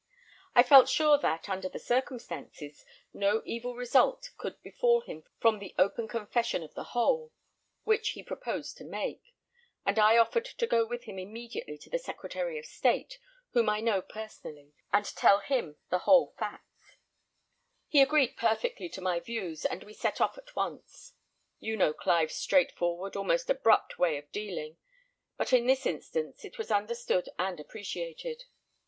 I felt sure that, under the circumstances, no evil result could befall him from the open confession of the whole, which he proposed to make; and I offered to go with him immediately to the Secretary of State, whom I know personally, and tell him the whole facts. He agreed perfectly to my views, and we set off at once. You know Clive's straightforward, almost abrupt, way of dealing; but in this instance, it was understood and appreciated.